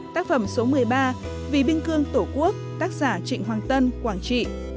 tác phẩm số một mươi ba vì biên cương tổ quốc tác giả trịnh hoàng tân quảng trị